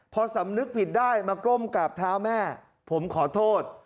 พอสำนึกผิดได้มาก้มกราบเท้าแม่ผมขอโทษ